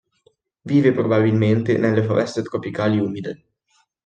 Vive probabilmente nelle foreste tropicali umide.